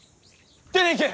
出ていけ！